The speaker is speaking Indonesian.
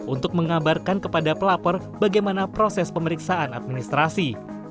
untuk mengabarkan kepada pelapor bagaimana proses pemeriksaan administrasi